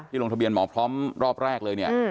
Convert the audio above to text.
ที่ลงทะเบียนหมอพร้อมรอบแรกเลย